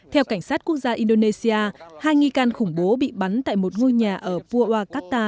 theo cảnh sát quốc gia indonesia hai nghi can khủng bố bị bắn tại một ngôi nhà ở puawakarta